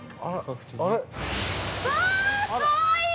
◆うわあ、かわいい！